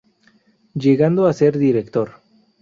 Llegando a ser Director.